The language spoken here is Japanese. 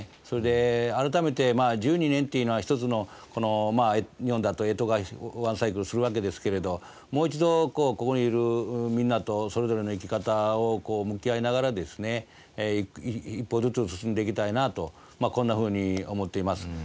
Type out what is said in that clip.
それで改めてまあ１２年っていうのは一つのまあ日本だとえとがワンサイクルするわけですけれどもう一度ここにいるみんなとそれぞれの生き方をこう向き合いながらですね一歩ずつ進んでいきたいなとまあこんなふうに思っています。